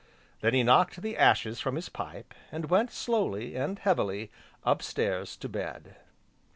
Then he knocked the ashes from his pipe, and went, slowly, and heavily, up stairs to bed.